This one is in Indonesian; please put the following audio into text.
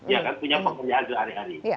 ya kan punya pekerjaan itu hari hari